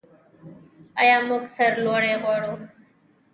آیا موږ سرلوړي غواړو؟